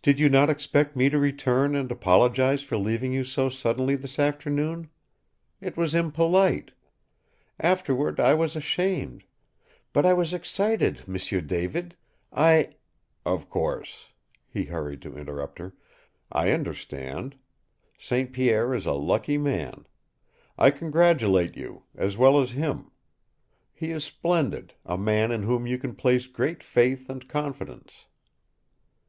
"Did you not expect me to return and apologize for leaving you so suddenly this afternoon? It was impolite. Afterward I was ashamed. But I was excited, M'sieu David. I " "Of course," he hurried to interrupt her. "I understand. St. Pierre is a lucky man. I congratulate you as well as him. He is splendid, a man in whom you can place great faith and confidence."